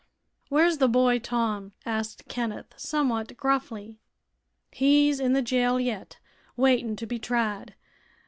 "Where's the boy Tom?" asked Kenneth, somewhat gruffly. "He's in the jail yet, waitin' to be tried.